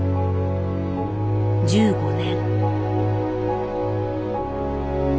１５年。